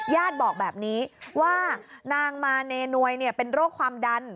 บอกแบบนี้ว่านางมาเนนวยเป็นโรคความดัน